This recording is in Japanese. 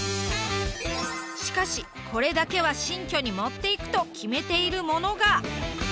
しかしこれだけは新居に持っていくと決めているものが。